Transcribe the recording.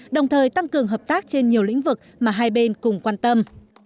đồng thời tăng cường hợp tác trên nhiều lĩnh vực mà hai bên cùng quan tâm